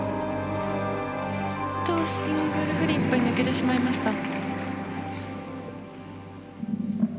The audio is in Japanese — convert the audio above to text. シングルフリップ抜けてしまいました。